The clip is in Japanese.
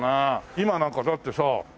今なんかだってさ携帯。